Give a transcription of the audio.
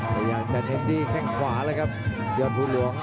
พยายามแทนที่แข่งขวาแล้วครับยอดภูรวง